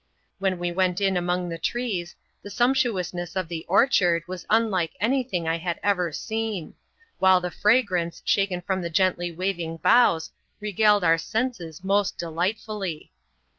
When we went in among the trees, the sumptuousness of the orchard was imlike any thing I had ever seen ; while the fragrance shaken from the gently waving boughs regaled our senses most delightfully.